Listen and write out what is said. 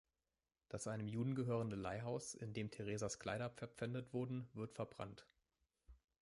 Das einem Juden gehörende Leihhaus, in dem Teresas Kleider verpfändet wurden, wird verbrannt.